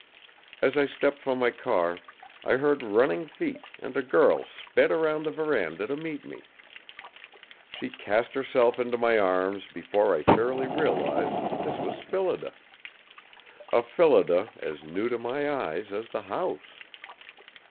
As I stepped from my car, I heard running feet and a girl sped around the veranda to meet me. She cast herself into my arms before I fairly realized this was Phillida. A Phillida as new to my eyes as the house!